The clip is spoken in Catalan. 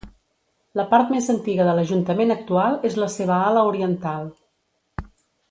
La part més antiga de l'Ajuntament actual és la seva ala oriental.